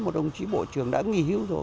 một đồng chí bộ trưởng đã nghỉ hữu rồi